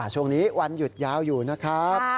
ช่วงนี้วันหยุดยาวอยู่นะครับ